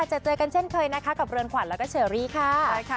เจอเจอกันเช่นเคยนะคะกับเรือนขวัญแล้วก็เชอรี่ค่ะใช่ค่ะ